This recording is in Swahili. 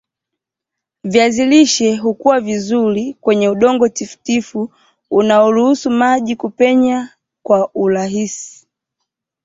viazi lishe hukua vizuri kwenye udongo tifutifu unaoruhusu maji kupenya kwa urahisi